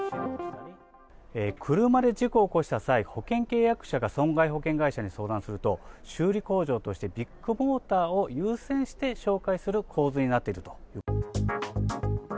車で事故を起こした際、保険契約者が損害保険会社に相談すると、修理工場としてビッグモーターを優先して紹介する構図になっているということです。